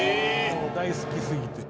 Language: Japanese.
もう大好きすぎて。